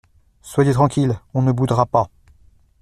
Soyez tranquille… on ne boudera pas !